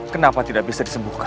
kenapa tidak bisa disembuhkan